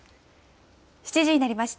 ７時になりました。